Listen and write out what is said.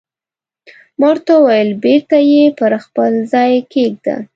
ما ورته وویل: بېرته یې پر خپل ځای کېږده.